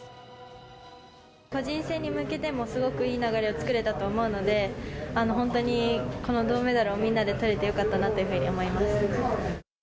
個人戦に向けてもすごくいい流れを作れたと思うので、本当にこの銅メダルをみんなでとれてよかったなというふうに思い